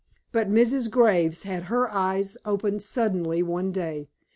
But Mrs. Graves had her eyes opened suddenly one day.